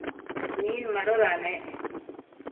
Min madoda nec ?